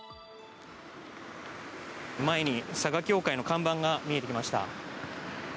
前に佐賀教会の看板が見えてきました。